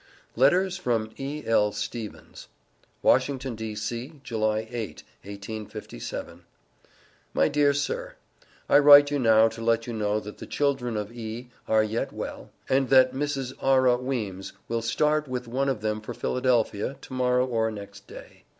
LETTERS FROM E.L. STEVENS. WASHINGTON, D.C., July 8,1857. MY DEAR SIR: I write you now to let you know that the children of E. are yet well, and that Mrs. Arrah Weems will start with one of them for Philadelphia to morrow or next day.